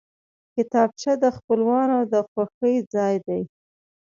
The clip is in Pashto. کتابچه د خپلوانو د خوښۍ ځای دی